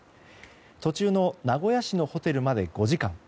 途中の名古屋市のホテルまで５時間。